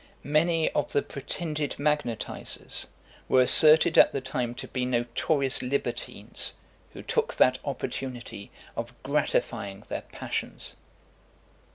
Many of the pretended magnetisers were asserted at the time to be notorious libertines, who took that opportunity of gratifying their passions.